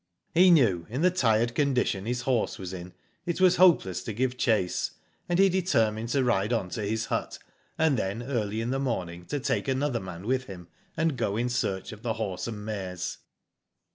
He knew in the tired condition his horse was in it was hopeless to give chase, and he Digitized byGoogk 54 fV^O DID ITf determined to ride on to his hut, and then early in the morning to take another man with him and go in search of the horse and mares.